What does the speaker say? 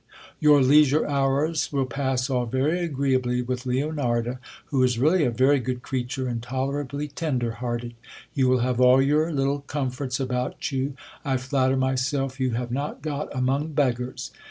Your leisure hours will pass off very agreeably with Leonarda, who is really a very good creature, and tolerably tender hearted ; you will have all your little comforts about you. I flatter myself you have not got among beggars.